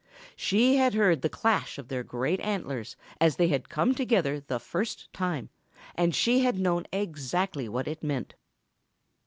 She had heard the clash of their great antlers as they had come together the first time, and she had known exactly what it meant.